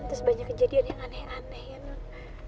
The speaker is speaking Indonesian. terus banyak kejadian yang aneh aneh ya non